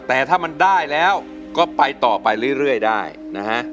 แต่ถ้ามันได้แล้วก็ไปต่อไปเรื่อยได้นะฮะ